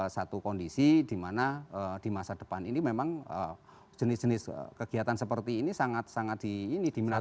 satu kondisi dimana di masa depan ini memang jenis jenis kegiatan seperti ini sangat sangat diminati oleh masyarakat